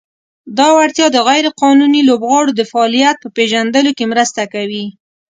دا وړتیا د "غیر قانوني لوبغاړو د فعالیت" په پېژندلو کې مرسته کوي.